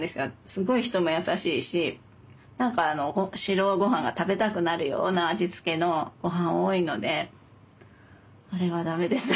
すごい人も優しいし何か白ご飯が食べたくなるような味付けのごはん多いのであれは駄目です。